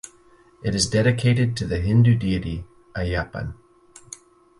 It is dedicated to the Hindu deity Ayyappan.